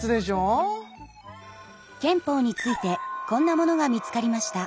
憲法についてこんなものが見つかりました。